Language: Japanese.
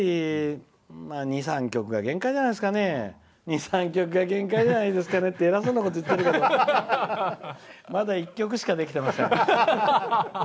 だから２３曲が限界じゃないですかね。って偉そうなこと言ってるけどまだ１曲しかできてません。